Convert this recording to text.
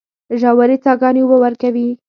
ژورې څاګانې اوبه ورکوي.